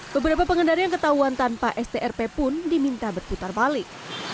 beberapa pengendara yang ketahuan tanpa strp pun diminta berputar balik